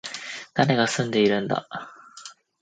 誰が住んでいるんだ